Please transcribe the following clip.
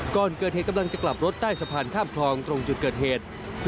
ก่อนเกิดเหตุกำลังจะกลับรถใต้สะพานข้ามคลองตรงจุดเกิดเหตุ